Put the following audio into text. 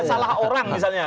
salah orang misalnya